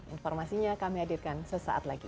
informasinya kami hadirkan sesaat lagi